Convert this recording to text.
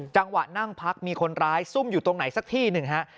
จังหวะนั่งพักมีคนร้ายซุ่มอยู่ตรงไหนสักที่หนึ่งฮะ